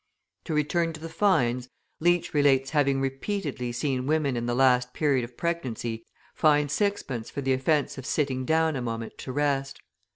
{181a} To return to the fines, Leach relates having repeatedly seen women in the last period of pregnancy fined 6d. for the offence of sitting down a moment to rest.